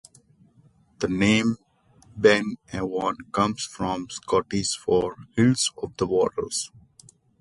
The name, Ben Avon, comes from Scottish for "hill of the waters".